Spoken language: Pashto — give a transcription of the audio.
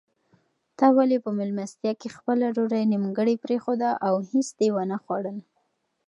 تا ولې په مېلمستیا کې خپله ډوډۍ نیمګړې پرېښوده او هیڅ دې ونه خوړل؟